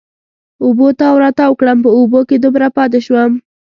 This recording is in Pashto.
اوبو تاو را تاو کړم، په اوبو کې دومره پاتې شوم.